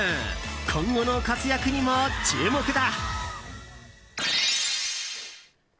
今後の活躍にも注目だ。